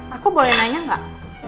aku boleh nanya gak